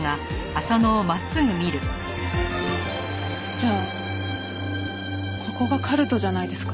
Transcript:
じゃあここがカルトじゃないですか。